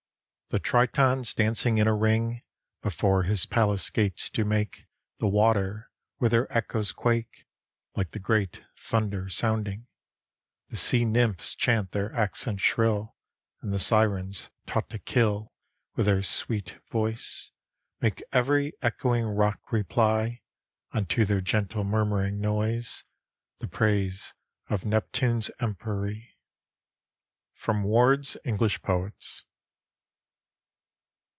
The Tritons dancing in a ring Before his palace gates do make The water with their echoes quake, Like the great thunder sounding: The sea nymphs chant their accents shrill, And the Syrens, taught to kill With their sweet voice, Make every echoing rock reply, Unto their gentle murmuring noise, The praise of Neptune's empery. From 'Ward's English Poets.'